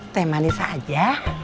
teh manis aja